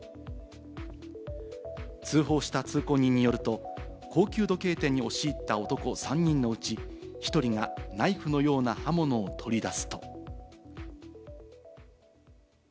通報した通行人によると高級時計店に押し入った男３人のうち、１人がナイフのような刃物を取り出すと。